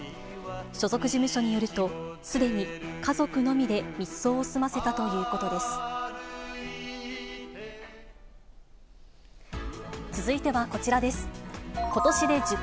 所属事務所によると、すでに家族のみで密葬を済ませたということです。